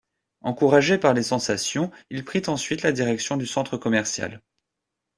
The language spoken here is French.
Encouragé par les sensations, il prit ensuite la direction du centre commercial.